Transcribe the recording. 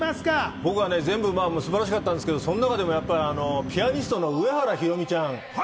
僕は全部素晴らしかったんですが、その中でもピアニストの上原ひろみちゃん。